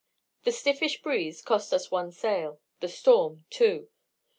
The stiffish breeze cost us one sail; the storm, two.